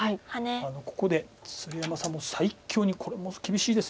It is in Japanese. ここで鶴山さんも最強にこれも厳しいです。